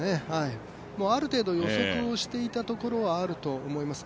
ある程度予測していたところはあると思います。